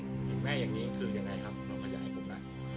เห็นแม่อย่างงี้คือยังไงครับน้องมันใหญ่พวกนั้น